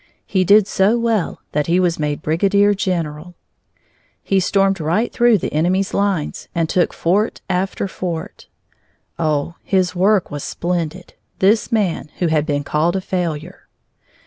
He did so well that he was made Brigadier general. He stormed right through the enemies' lines and took fort after fort. Oh, his work was splendid this man who had been called a failure!